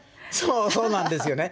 そうなんですよね。